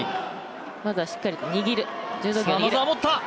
まずは、しっかりと柔道着を握る。